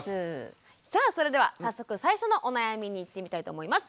さあそれでは早速最初のお悩みにいってみたいと思います。